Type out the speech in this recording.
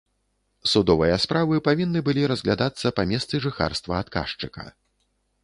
Судовыя справы павінны былі разглядацца па месцы жыхарства адказчыка.